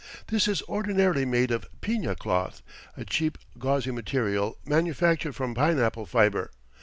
This is ordinarily made of piña cloth, a cheap, gauzy material, manufactured from pineapple fiber.